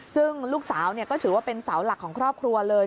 ซึ่งลูกสาวก็ถือว่าเป็นเสาหลักของครอบครัวเลย